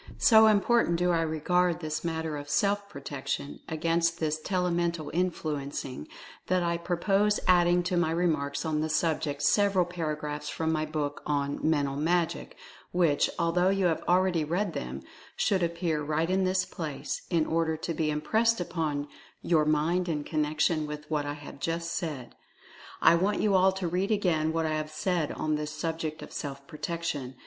So important do I regard this matter of Self Protection against this Telemental Influencing that I purpose adding to my remarks on this subject sev eral paragraphs from my book on "Mental Magic," which, although you have already read them, should appear right in this place, in order to be impressed upon your mind in connection with what I have just said. I want you all to read again what I have said on this subject of Self Protection.